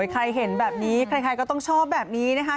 ใครเห็นแบบนี้ใครก็ต้องชอบแบบนี้นะคะ